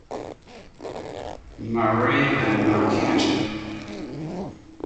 Marie and Marquette.